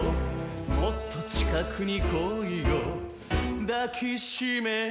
「もっと近くに来いよ抱きしめてやる」